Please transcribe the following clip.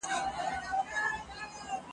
ایوب خان به خېمې ودرولې.